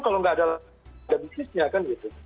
kalau nggak ada bisnisnya kan gitu